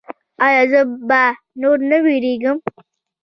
ایا زه به نور نه ویریږم؟